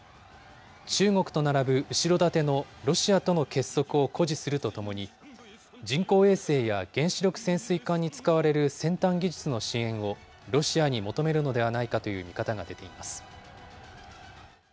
中国と並ぶ後ろ盾のロシアとの結束を誇示するとともに、人工衛星や原子力潜水艦に使われる先端技術の支援を、ロシアに求めるのではないかという見方が出ています。